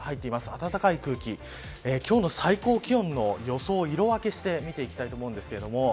暖かい空気、今日の最高気温の予想を色分けして見ていきたいと思います。